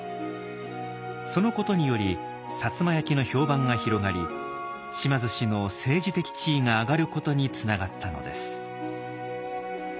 そのことにより摩焼の評判が広がり島津氏の政治的地位が上がることにつながったのです。